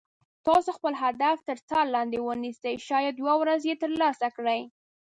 تاسو خپل هدف تر څار لاندې ونیسئ شاید یوه ورځ یې تر لاسه کړئ.